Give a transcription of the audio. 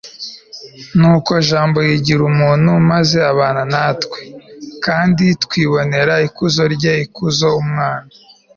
nuko jambo yigira umuntu maze abana natwe, kandi twibonera ikuzo rye, ikuzo umwana